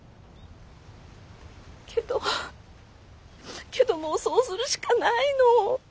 けどけどもうそうするしかないの。